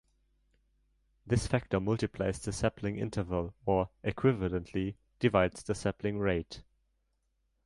This factor multiplies the sampling interval or, equivalently, divides the sampling rate.